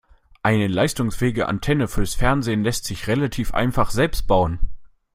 Eine leistungsfähige Antenne fürs Fernsehen lässt sich relativ einfach selbst bauen.